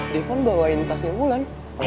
devon bawain tasnya wulan